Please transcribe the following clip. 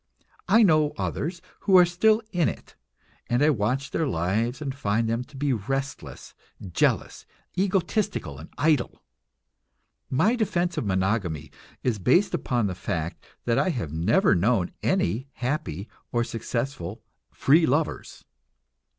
I know others who are still in it and I watch their lives and find them to be restless, jealous, egotistical and idle. My defense of monogamy is based upon the fact that I have never known any happy or successful "free lovers."